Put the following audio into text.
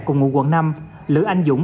cùng ngụ quận năm lữ anh dũng